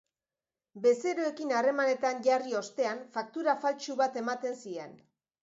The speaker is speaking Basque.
Bezeroekin harremanetan jarri ostean, faktura faltsu bat ematen zien.